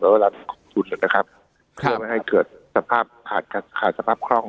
เป็นเวลาที่สุดนะครับเพื่อไม่ให้เกิดสภาพขาดสภาพคล่อง